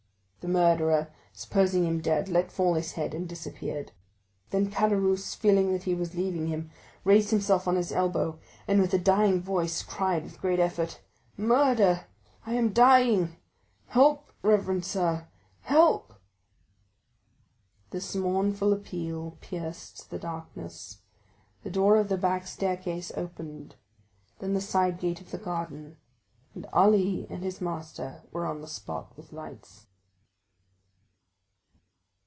The murderer, supposing him dead, let fall his head and disappeared. Then Caderousse, feeling that he was leaving him, raised himself on his elbow, and with a dying voice cried with great effort: "Murder! I am dying! Help, reverend sir,—help!" This mournful appeal pierced the darkness. The door of the back staircase opened, then the side gate of the garden, and Ali and his master were on the spot with lights.